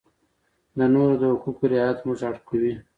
د نورو د حقوقو رعایت موږ اړ کوي.